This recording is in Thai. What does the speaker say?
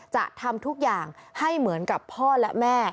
จะทำทุกอย่างให้เหมือนกับพ่อและแม่